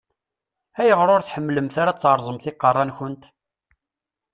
Ayɣer ur tḥemmlemt ara ad teṛṛẓemt iqeṛṛa-nkent?